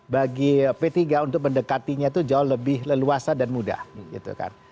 bagi p tiga untuk mendekatinya itu jauh lebih leluasa dan mudah gitu kan